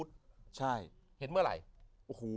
สวัสดีครับ